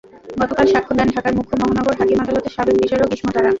গতকাল সাক্ষ্য দেন ঢাকার মুখ্য মহানগর হাকিম আদালতের সাবেক বিচারক ইসমত আরা।